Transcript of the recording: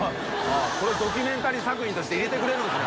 △これドキュメンタリー作品として入れてくれるんですね。